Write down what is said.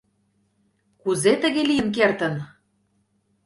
Кузе тыге лийын кертын?